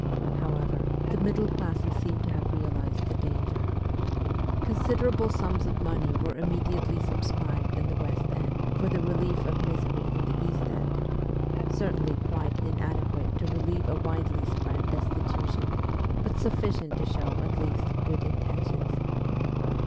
However, the middle classes seemed to have realized the danger. Considerable sums of money were immediately subscribed in the West End for the relief of misery in the East End certainly quite inadequate to relieve a widely spread destitution, but sufficient to show, at least, good intentions.